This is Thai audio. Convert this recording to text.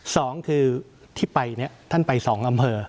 สองคือที่ไปเนี่ยท่านไปสองอำเภอ